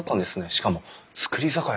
しかも造り酒屋！